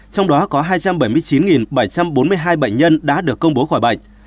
trong đó có hai trăm bảy mươi chín bảy trăm bốn mươi hai bệnh nhân đã được công bố khỏi bệnh